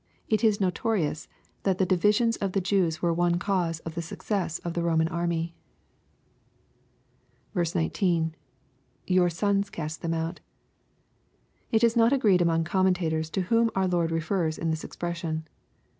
It is notorious that the divisions of the Jews were one cause of the success of the Roman army. ^9. —[ Your sons cast them out.\ It is not agreed among commenta tors to whom our Lord refers in this expression.